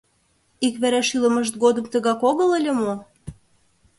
Иквереш илымышт годым тыгак огыл ыле мо?